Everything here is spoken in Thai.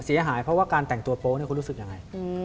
เสียหายเพราะว่าการแต่งตัวโป๊คุณรู้สึกยังไง